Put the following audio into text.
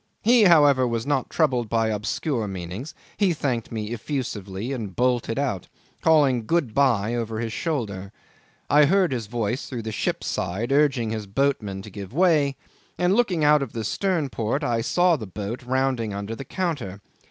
He however was not troubled by obscure meanings; he thanked me effusively and bolted out, calling Good bye over his shoulder. I heard his voice through the ship's side urging his boatmen to give way, and looking out of the stern port I saw the boat rounding under the counter.